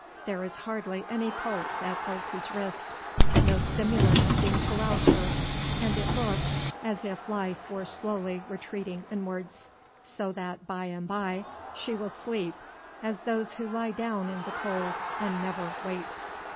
There is hardly any pulse at Elsie's wrist; no stimulants seem to rouse her; and it looks as if life were slowly retreating inwards, so that by and by she will sleep as those who lie down in the cold and never wake."